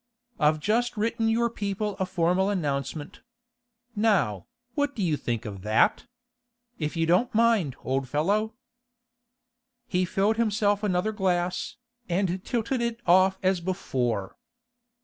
I've just written your people a formal announcement. Now, what do you think of that? If you don't mind, old fellow.' He filled himself another glass, and tilted it off as before.